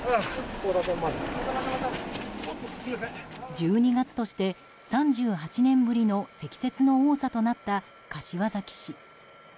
１２月として３８年ぶりの積雪の多さとなった、柏崎市。